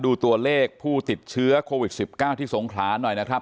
ดูตัวเลขผู้ติดเชื้อโควิด๑๙ที่สงขลาหน่อยนะครับ